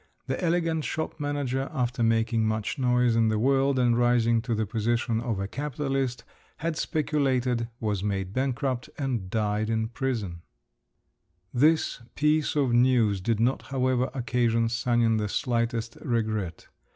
The elegant shop manager, after making much noise in the world and rising to the position of a capitalist, had speculated, was made bankrupt, and died in prison…. This piece of news did not, however, occasion Sanin the slightest regret.